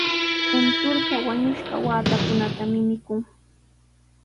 Kunturqa wañushqa waatakunatami mikun.